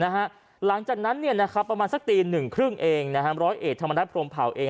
หลังจากนั้นประมาณสักตี๑๓๐นร้อยเอจธรรมดาพรมเผ่าเอง